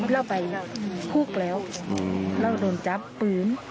แล้วเจาะไปคุกแล้วแล้วเขาโดนจับปืน